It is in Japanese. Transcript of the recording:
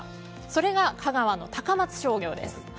それが香川の高松商業です。